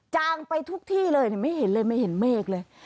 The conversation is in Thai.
จางไปทุกที่เลยไม่เห็นเลยไม่เห็นเมฆเลย